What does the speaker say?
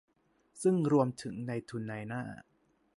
ซึ่งรวมถึงนายทุนนายหน้า